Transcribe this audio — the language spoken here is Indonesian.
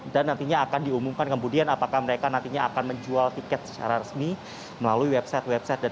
dan nantinya akan diumumkan kemudian apakah mereka nantinya akan menjual tiket secara resmi melalui website website